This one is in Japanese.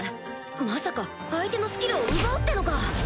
まさか相手のスキルを奪うってのか⁉